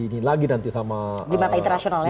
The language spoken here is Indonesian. ini lagi nanti sama di mata internasional ya